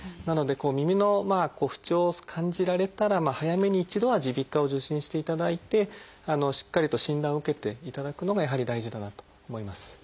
なので耳の不調を感じられたら早めに一度は耳鼻科を受診していただいてしっかりと診断を受けていただくのがやはり大事だなと思います。